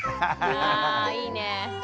あいいね。